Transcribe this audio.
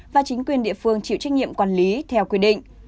và chính quyền địa phương chịu trách nhiệm quản lý theo quy định